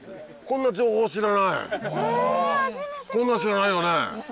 こんなの知らないよね？